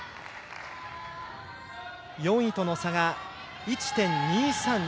４位との差が１．２３２。